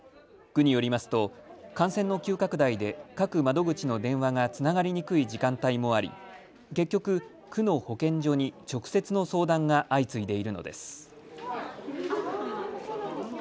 区によりますと感染の急拡大で各窓口の電話がつながりにくい時間帯もあり結局、区の保健所に直接の相談が相次いでいるのです。